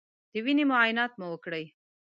د وینې معاینات مو وکړی